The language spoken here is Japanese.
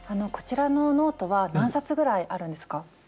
こちらのノートは何冊ぐらいあるんですか？